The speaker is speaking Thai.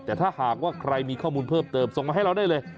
แต่ถ้าหากว่าใครมีข้อมูลเพิ่มเติมส่งมาให้เราได้เลย